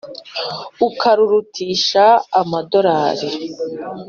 Ukarurutisha amadorari